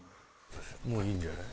もういいんじゃない？